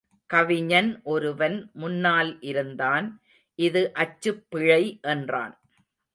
கவிஞன் ஒருவன் முன்னால் இருந்தான் இது அச்சுப் பிழை என்றான்.